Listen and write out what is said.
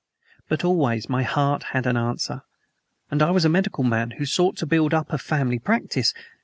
But, always, my heart had an answer. And I was a medical man, who sought to build up a family practice!